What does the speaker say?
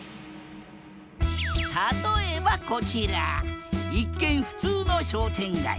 例えばこちら一見普通の商店街。